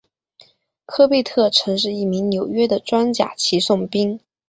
科贝特曾是一名纽约的装甲骑送兵。